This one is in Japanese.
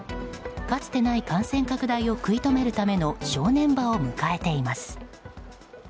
かつてない感染拡大を食い止めるための正念場を迎えています。